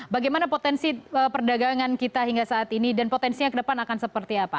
bagaimana potensi perdagangan kita hingga saat ini dan potensinya ke depan akan seperti apa